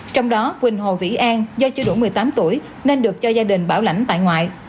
trong đó quỳnh hồ vĩ an do chưa đủ một mươi tám tuổi nên được cho gia đình bảo lãnh tại ngoại